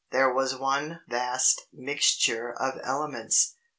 There was one vast mixture of elements.